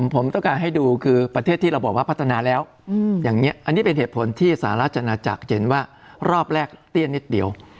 ผมต้องการให้ดูคือประเทศที่เราบอกว่าพัฒนาแล้วอย่างนี้อันนี้เป็นเหตุผลที่สหราชนาจักรจะเห็นว่ารอบแรกเตี้ยนิดเดียว